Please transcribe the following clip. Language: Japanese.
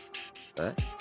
えっ？